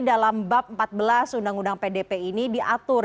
dalam bab empat belas undang undang pdp ini diatur